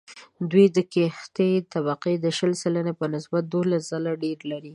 دوی د کښتې طبقې د شل سلنې په نسبت دوولس ځله ډېر لري